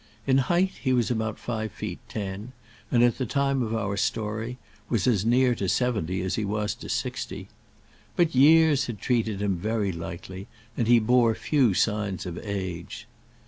In height, he was about five feet ten; and at the time of our story was as near to seventy as he was to sixty. But years had treated him very lightly, and he bore few signs of age.